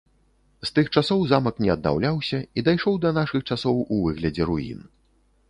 З тых часоў замак не аднаўляўся і дайшоў да нашых часоў у выглядзе руін.